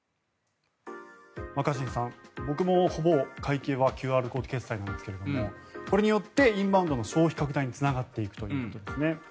若新さん、僕もほぼ会計はＱＲコード決済なんですがこれによってインバウンドの消費拡大につながっていくということですね。